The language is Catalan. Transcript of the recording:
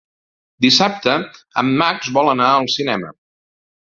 Dissabte en Max vol anar al cinema.